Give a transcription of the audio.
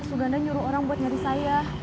suganda nyuruh orang buat nyari saya